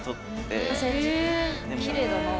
きれいだなあ。